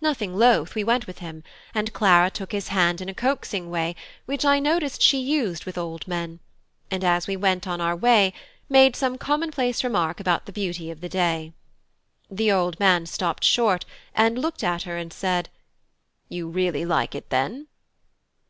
Nothing loth, we went with him, and Clara took his hand in a coaxing way which I noticed she used with old men; and as we went on our way, made some commonplace remark about the beauty of the day. The old man stopped short, and looked at her and said: "You really like it then?"